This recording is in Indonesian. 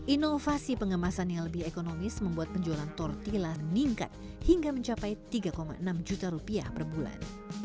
inovasi pengemasan yang lebih ekonomis membuat penjualan tortilla meningkat hingga mencapai tiga enam juta rupiah per bulan